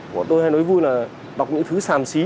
mọi người hay nói vui là đọc những thứ sàm xí